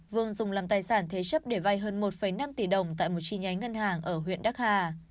vương dùng làm tài sản thế chấp để vay hơn một năm tỷ đồng tại một chi nhánh ngân hàng ở huyện đắc hà